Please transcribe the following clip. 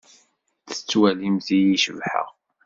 Tettwalimt-iyi cebḥeɣ?